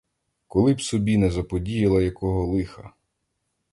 Коли б собі не заподіяла якого лиха!